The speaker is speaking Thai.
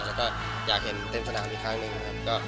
แล้วก็อยากเห็นเต็มสนามอีกครั้งหนึ่งนะครับ